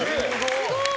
すごい！